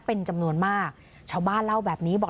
เป็นจำนวนมากชาวบ้านเล่าแบบนี้บอก